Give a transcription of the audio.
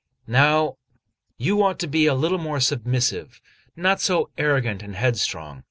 Now you ought to be a little more submissive, not so arrogant and headstrong.